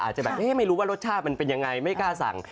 อาจจะแบบไม่รู้ว่ารสชาติมันเป็นยังไงไม่กล้าสั่ง